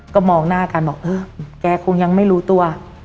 ก็มองหน้ากันบอกเออแกคงยังไม่รู้ตัว